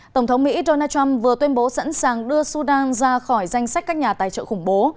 tổng thống mỹ donald trump vừa tuyên bố sẵn sàng đưa sudan ra khỏi danh sách các nhà tài trợ khủng bố